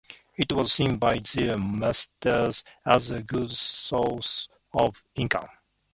It was seen by these masters as a good source of income.